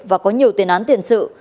và có nhiều tiền án tiền sự